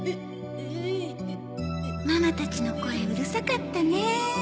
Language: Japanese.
ママたちの声うるさかったね。